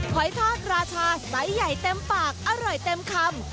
หอยทอดราชาไซส์ใหญ่เต็มปากอร่อยเต็มคำ